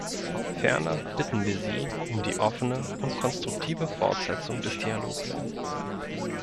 Ferner bitten wir sie um die offene und konstruktive Fortsetzung des Dialogs.